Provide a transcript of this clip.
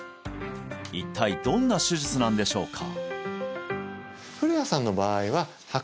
一体どんな手術なんでしょうか？